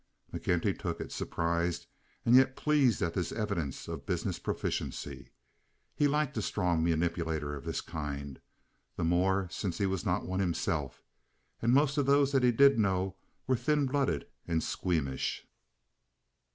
McKenty took it, surprised and yet pleased at this evidence of business proficiency. He liked a strong manipulator of this kind—the more since he was not one himself, and most of those that he did know were thin blooded and squeamish.